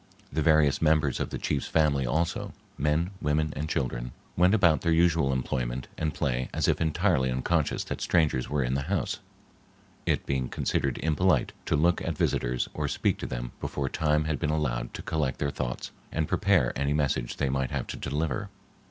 The various members of the chief's family, also,—men, women, and children,—went about their usual employment and play as if entirely unconscious that strangers were in the house, it being considered impolite to look at visitors or speak to them before time had been allowed them to collect their thoughts and prepare any message they might have to deliver.